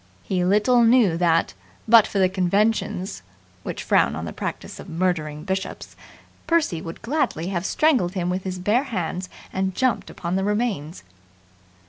He little knew that, but for the conventions (which frown on the practice of murdering bishops), Percy would gladly have strangled him with his bare hands and jumped upon the remains.